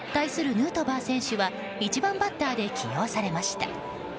ヌートバー選手は１番バッターで起用されました。